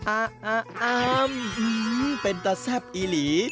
อ้าเป็นแต่แซ่บอีหลี